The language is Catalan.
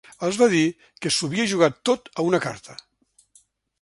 Els va dir que s'ho havia jugat tot a una carta.